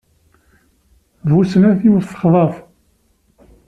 Bu snat, yiwet texḍa-t.